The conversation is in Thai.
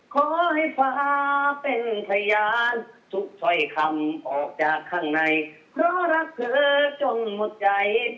ขอให้ฟ้าเป็นพยานทุกสร้อยคำออกจากข้างในเพราะรักเธอจนหมดใจ